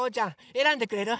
えらんでくれる？